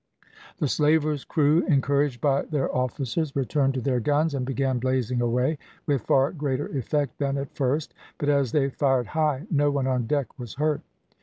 The slaver's crew, encouraged by their officers, returned to their guns, and began blazing away with far greater effect than at first, but as they fired high, no one on deck was hurt.